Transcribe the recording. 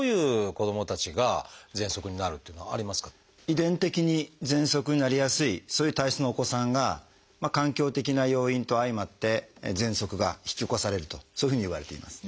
遺伝的にぜんそくになりやすいそういう体質のお子さんが環境的な要因と相まってぜんそくが引き起こされるとそういうふうにいわれています。